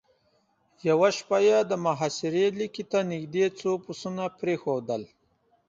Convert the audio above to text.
يوه شپه يې د محاصرې ليکې ته نېزدې څو پسونه پرېښودل.